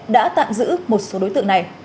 đã tạm giữ một số đối tượng này